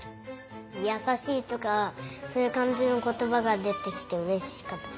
やさしいとかそういうかんじのことばがでてきてうれしかった。